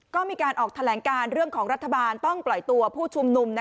ก็มีการออกแถลงการเรื่องของรัฐบาลต้องปล่อยตัวผู้ชุมนุม